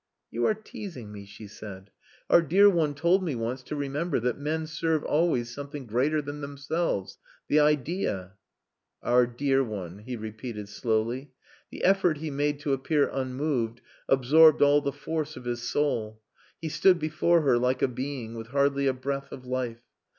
"You are teasing me," she said. "Our dear one told me once to remember that men serve always something greater than themselves the idea." "Our dear one," he repeated slowly. The effort he made to appear unmoved absorbed all the force of his soul. He stood before her like a being with hardly a breath of life.